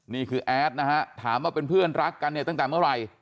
นี่คือแอดนะฮะถามว่าเป็นเพื่อนรักกันเนี่ยตั้งแต่เมื่อไหร่